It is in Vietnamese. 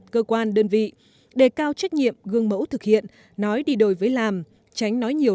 cơ quan đơn vị đề cao trách nhiệm gương mẫu thực hiện nói đi đổi với làm tránh nói nhiều